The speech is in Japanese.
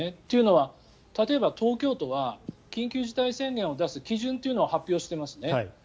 というのは、例えば東京都は緊急事態宣言を出す基準というのを発表していますね。